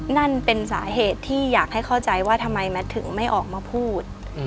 นั่นเป็นสาเหตุที่อยากให้เข้าใจว่าทำไมแมทถึงไม่ออกมาพูด